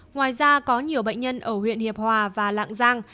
ngoài ra có nhiều bệnh nhân ở huyện hiệp hòa và lạng giang